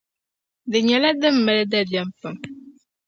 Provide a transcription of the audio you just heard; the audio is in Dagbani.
Di nyɛla din mali dabiɛm pam.